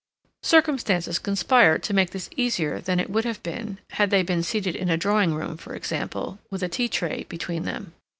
Circumstances conspired to make this easier than it would have been, had they been seated in a drawing room, for example, with a tea tray between them.